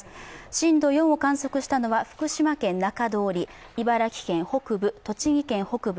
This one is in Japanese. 震度４を観測したのは福島県中通り、茨城県北部、栃木県北部。